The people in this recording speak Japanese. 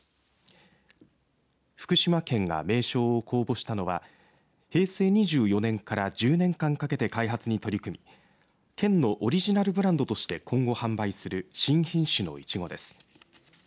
福島県が名称を公募したのは平成２４年から１０年間かけて開発に取り組み県のオリジナルブランドとして今後販売する新品種のいちごです。